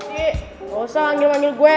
sisi enggak usah manggil manggil gue